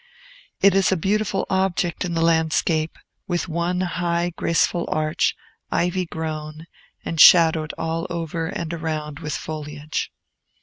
It is a beautiful object in the landscape, with one high, graceful arch, ivy grown, and shadowed all over and around with foliage.